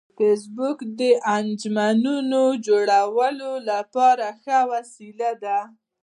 فېسبوک د انجمنونو جوړولو لپاره ښه وسیله ده